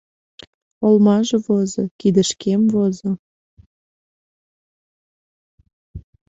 Олмаже возо, кидышкем возо